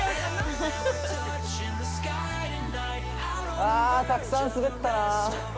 あたくさん滑ったな。